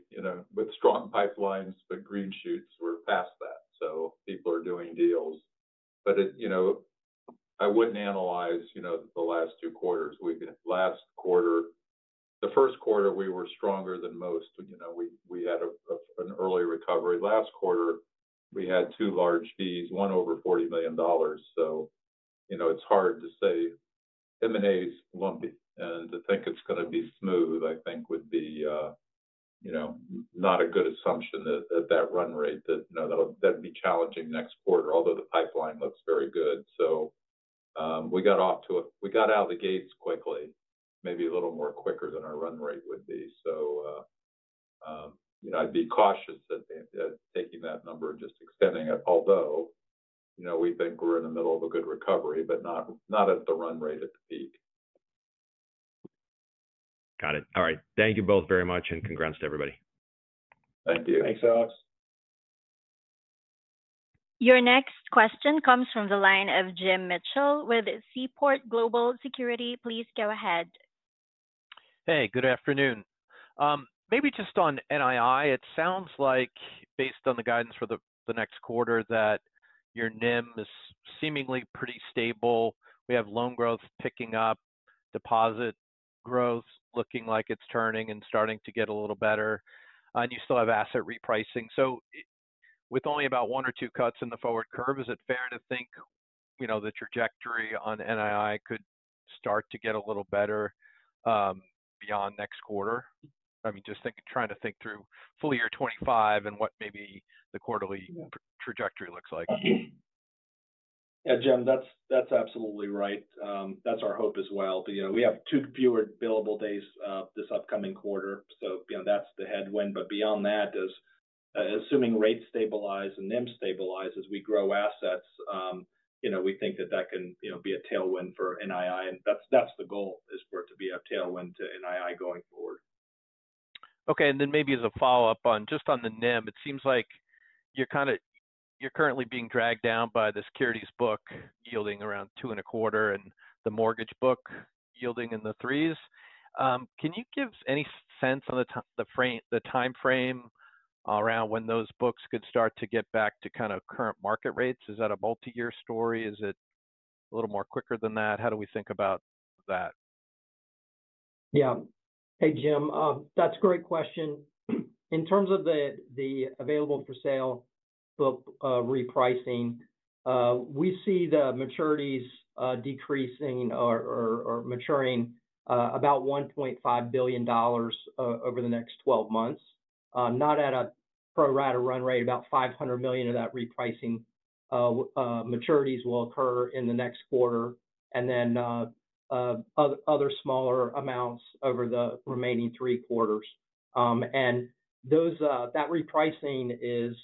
with strong pipelines, but green shoots were past that. So people are doing deals. But I wouldn't analyze the last two quarters. Last quarter, the first quarter, we were stronger than most. We had an early recovery. Last quarter, we had two large fees, one over $40 million. So it's hard to say M&A is lumpy. And to think it's going to be smooth, I think, would be not a good assumption at that run rate that would be challenging next quarter, although the pipeline looks very good. So we got out of the gates quickly, maybe a little more quicker than our run rate would be. So I'd be cautious at taking that number and just extending it, although we think we're in the middle of a good recovery, but not at the run rate at the peak. Got it. All right. Thank you both very much and congrats to everybody. Thank you. Thanks, Alex. Your next question comes from the line of Jim Mitchell with Seaport Global Securities. Please go ahead. Hey, good afternoon. Maybe just on NII, it sounds like, based on the guidance for the next quarter, that your NIM is seemingly pretty stable. We have loan growth picking up, deposit growth looking like it's turning and starting to get a little better. And you still have asset repricing. So with only about one or two cuts in the forward curve, is it fair to think the trajectory on NII could start to get a little better beyond next quarter? I mean, just trying to think through full year 2025 and what maybe the quarterly trajectory looks like. Yeah, Jim, that's absolutely right. That's our hope as well. But we have two fewer billable days this upcoming quarter. So that's the headwind. But beyond that, assuming rates stabilize and NIM stabilizes as we grow assets, we think that that can be a tailwind for NII. And that's the goal, is for it to be a tailwind to NII going forward. Okay. And then maybe as a follow-up on just on the NIM, it seems like you're currently being dragged down by the securities book yielding around 2.25 and the mortgage book yielding in the 3s. Can you give any sense on the timeframe around when those books could start to get back to kind of current market rates? Is that a multi-year story? Is it a little more quicker than that? How do we think about that? Yeah. Hey, Jim, that's a great question. In terms of the available-for-sale book repricing, we see the maturities decreasing or maturing about $1.5 billion over the next 12 months. Not at a pro-rata run rate, about $500 million of that repricing maturities will occur in the next quarter and then other smaller amounts over the remaining three quarters. And that repricing is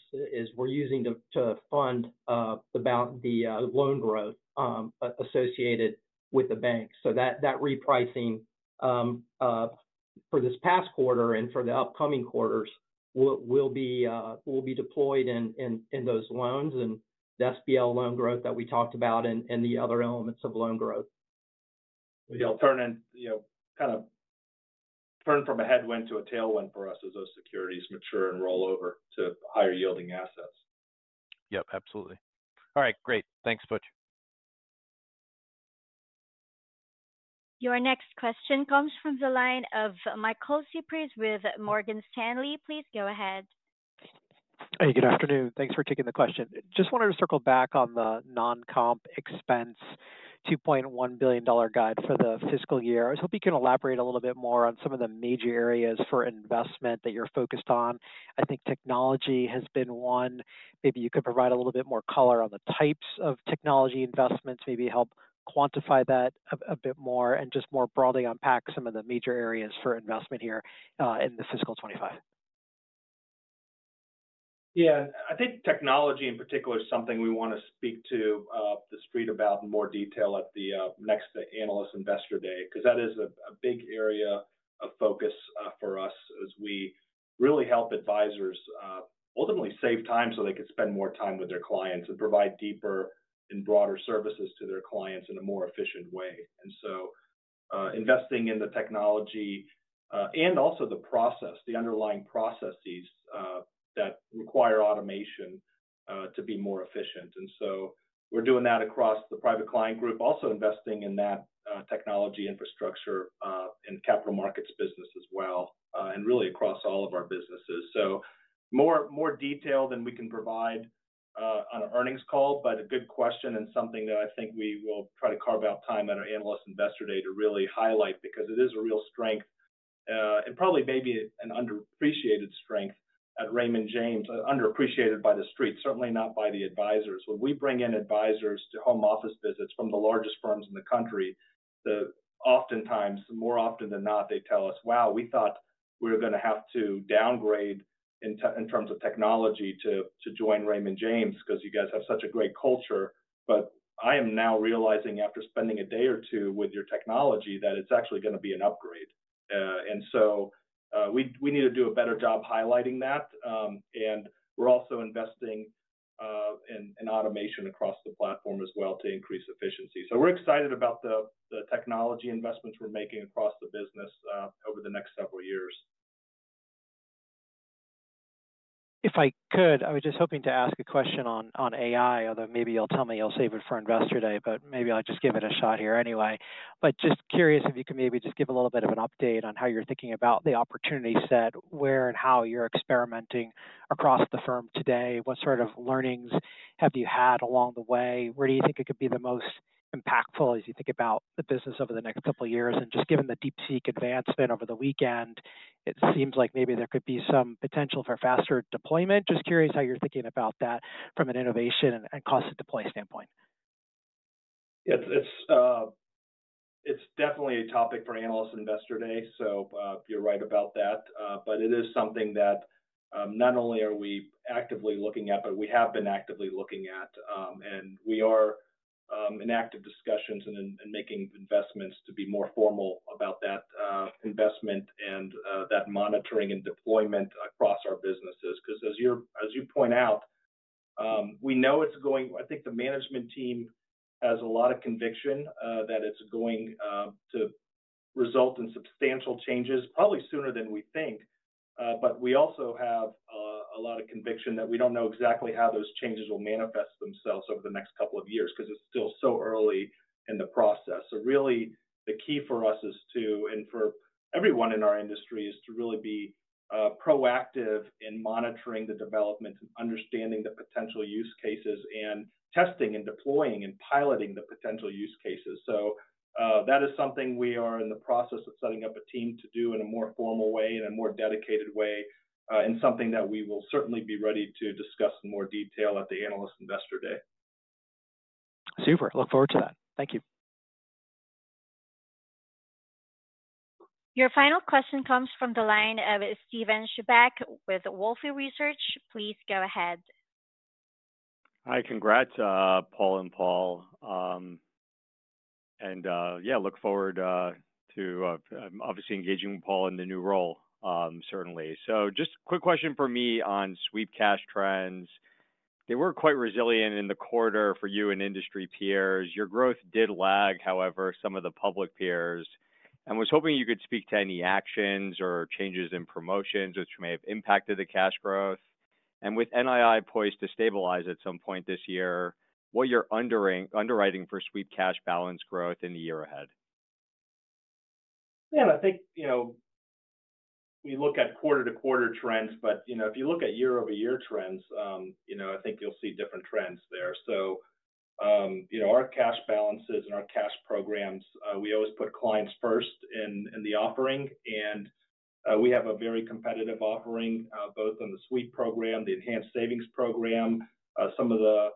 we're using to fund the loan growth associated with the bank. So that repricing for this past quarter and for the upcoming quarters will be deployed in those loans and the SBL loan growth that we talked about and the other elements of loan growth. Yeah. Kind of turn from a headwind to a tailwind for us as those securities mature and roll over to higher-yielding assets. Yep. Absolutely. All right. Great. Thanks, Butch. Your next question comes from the line of Michael Cyprys with Morgan Stanley. Please go ahead. Hey, good afternoon. Thanks for taking the question. Just wanted to circle back on the non-comp expense $2.1 billion guide for the fiscal year. I hope you can elaborate a little bit more on some of the major areas for investment that you're focused on. I think technology has been one. Maybe you could provide a little bit more color on the types of technology investments, maybe help quantify that a bit more, and just more broadly unpack some of the major areas for investment here in the fiscal '25. Yeah. I think technology, in particular, is something we want to speak to the street about in more detail at the next Analyst & Investor Day because that is a big area of focus for us as we really help advisors ultimately save time so they could spend more time with their clients and provide deeper and broader services to their clients in a more efficient way. And so investing in the technology and also the process, the underlying processes that require automation to be more efficient. And so we're doing that across the Private Client Group, also investing in that technology infrastructure and Capital Markets business as well, and really across all of our businesses. So more detail than we can provide on an earnings call, but a good question and something that I think we will try to carve out time at our Analyst & Investor Day to really highlight because it is a real strength and probably maybe an underappreciated strength at Raymond James, underappreciated by the street, certainly not by the advisors. When we bring in advisors to home office visits from the largest firms in the country, oftentimes, more often than not, they tell us, "Wow, we thought we were going to have to downgrade in terms of technology to join Raymond James because you guys have such a great culture." But I am now realizing after spending a day or two with your technology that it's actually going to be an upgrade. And so we need to do a better job highlighting that. We're also investing in automation across the platform as well to increase efficiency. We're excited about the technology investments we're making across the business over the next several years. If I could, I was just hoping to ask a question on AI, although maybe you'll tell me you'll save it for Investor Day, but maybe I'll just give it a shot here anyway. Just curious if you could maybe just give a little bit of an update on how you're thinking about the opportunity set, where and how you're experimenting across the firm today? What sort of learnings have you had along the way? Where do you think it could be the most impactful as you think about the business over the next couple of years? Just given the DeepSeek advancement over the weekend, it seems like maybe there could be some potential for faster deployment. Just curious how you're thinking about that from an innovation and cost-of-deploy standpoint. It's definitely a topic for Analyst & Investor Day, so you're right about that, but it is something that not only are we actively looking at, but we have been actively looking at, and we are in active discussions and making investments to be more formal about that investment and that monitoring and deployment across our businesses. Because as you point out, we know it's going, I think the management team has a lot of conviction that it's going to result in substantial changes, probably sooner than we think, but we also have a lot of conviction that we don't know exactly how those changes will manifest themselves over the next couple of years because it's still so early in the process. So really, the key for us is to and for everyone in our industry is to really be proactive in monitoring the development and understanding the potential use cases and testing and deploying and piloting the potential use cases. So that is something we are in the process of setting up a team to do in a more formal way, in a more dedicated way, and something that we will certainly be ready to discuss in more detail at the Analyst & Investor Day. Super. Look forward to that. Thank you. Your final question comes from the line of Steven Chubak with Wolfe Research. Please go ahead. Hi. Congrats, Paul and Paul. And yeah, look forward to obviously engaging with Paul in the new role, certainly. So just a quick question for me on sweep cash trends. They were quite resilient in the quarter for you and industry peers. Your growth did lag, however, some of the public peers. And was hoping you could speak to any actions or changes in promotions which may have impacted the cash growth. And with NII poised to stabilize at some point this year, what you're underwriting for sweep cash balance growth in the year ahead? Yeah. I think we look at quarter-to-quarter trends. But if you look at year-over-year trends, I think you'll see different trends there. Our cash balances and our cash programs, we always put clients first in the offering. And we have a very competitive offering both on the sweep program, the Enhanced Savings Program, some of the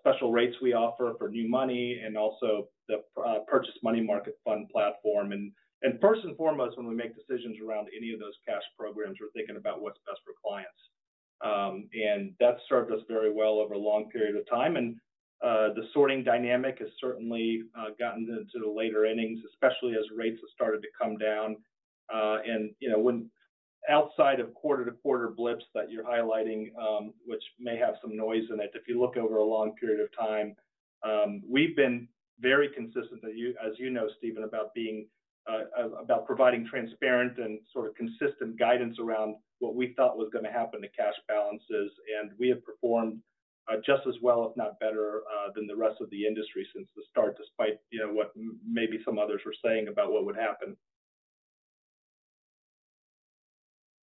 special rates we offer for new money, and also the purchase money market fund platform. And first and foremost, when we make decisions around any of those cash programs, we're thinking about what's best for clients. That's served us very well over a long period of time. The sorting dynamic has certainly gotten into the later innings, especially as rates have started to come down. Outside of quarter-to-quarter blips that you're highlighting, which may have some noise in it, if you look over a long period of time, we've been very consistent, as you know, Steven, about providing transparent and sort of consistent guidance around what we thought was going to happen to cash balances. We have performed just as well, if not better, than the rest of the industry since the start, despite what maybe some others were saying about what would happen.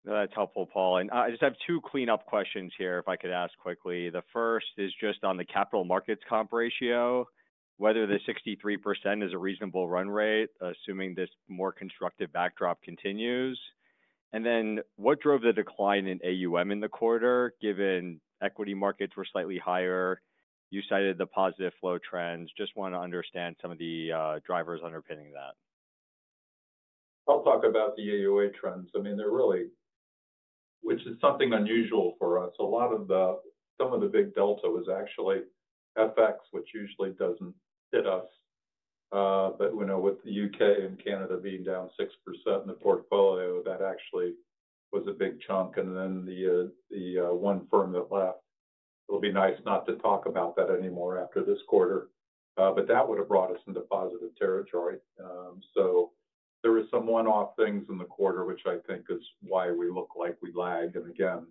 That's helpful, Paul. I just have two clean-up questions here, if I could ask quickly. The first is just on the Capital Markets comp ratio, whether the 63% is a reasonable run rate, assuming this more constructive backdrop continues. And then what drove the decline in AUM in the quarter, given equity markets were slightly higher? You cited the positive flow trends. Just want to understand some of the drivers underpinning that. I'll talk about the AUA trends. I mean, they're really, which is something unusual for us. Some of the big delta was actually FX, which usually doesn't hit us. But with the U.K. and Canada being down 6% in the portfolio, that actually was a big chunk. And then the one firm that left, it'll be nice not to talk about that anymore after this quarter. But that would have brought us into positive territory. So there were some one-off things in the quarter, which I think is why we look like we lagged. And again,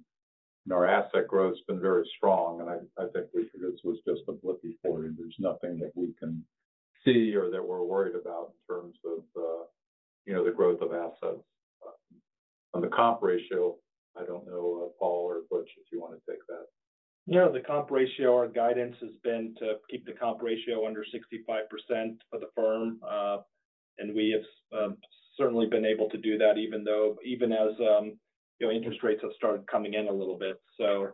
our asset growth has been very strong. And I think this was just a blip before you. There's nothing that we can see or that we're worried about in terms of the growth of assets. On the comp ratio, I don't know, Paul or Butch, if you want to take that. Yeah. The comp ratio or guidance has been to keep the comp ratio under 65% for the firm. And we have certainly been able to do that, even as interest rates have started coming in a little bit. So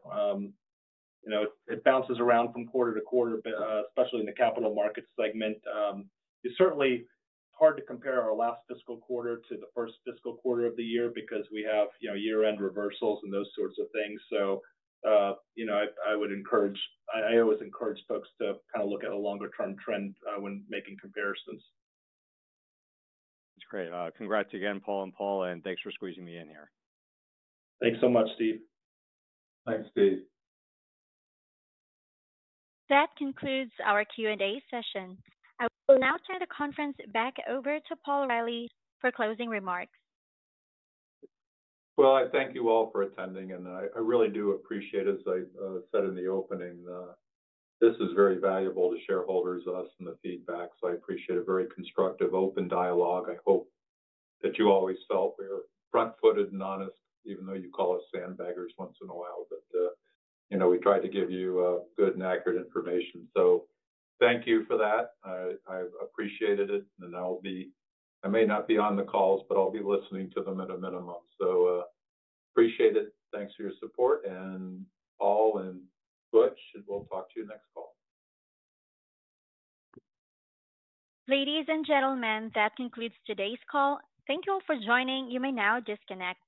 it bounces around from quarter to quarter, especially in the Capital Markets segment. It's certainly hard to compare our last fiscal quarter to the first fiscal quarter of the year because we have year-end reversals and those sorts of things. So I always encourage folks to kind of look at a longer-term trend when making comparisons. That's great. Congrats again, Paul and Paul. And thanks for squeezing me in here. Thanks so much, Steve. Thanks, Steve. That concludes our Q&A session. I will now turn the conference back over to Paul Reilly for closing remarks. \Well, I thank you all for attending. And I really do appreciate, as I said in the opening, this is very valuable to shareholders, us, and the feedback. So I appreciate a very constructive, open dialogue. I hope that you always felt we were front-footed and honest, even though you call us sandbaggers once in a while. But we tried to give you good and accurate information. So thank you for that. I appreciated it. And I may not be on the calls, but I'll be listening to them at a minimum. So appreciate it. Thanks for your support, and Paul and Butch. And we'll talk to you next call. Ladies and gentlemen, that concludes today's call. Thank you all for joining. You may now disconnect.